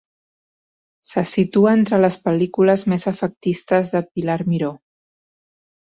Se situa entre les pel·lícules més efectistes de Pilar Miró.